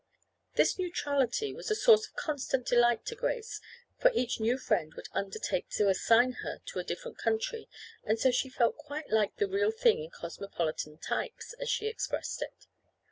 This "neutrality" was a source of constant delight to Grace, for each new friend would undertake to assign her to a different country, and so she felt quite like the "real thing in Cosmopolitan types" as she expressed it.